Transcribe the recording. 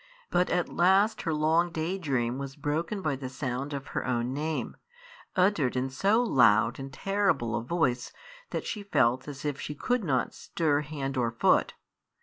But at last her long day dream was broken by the sound of her own name, uttered in so loud and terrible a voice that she felt as if she could not stir hand or foot.